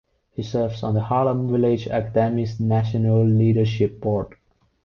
He serves on the Harlem Village Academies' National Leadership Board.